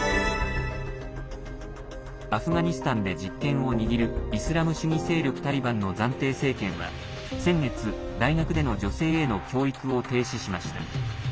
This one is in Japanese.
アフガニスタンで実権を握るイスラム主義勢力タリバンの暫定政権は先月、大学での女性への教育を停止しました。